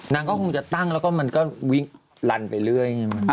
นางก็คงจะตั้งแล้วก็มันก็วิกลันไปเรื่อยใช่ไหม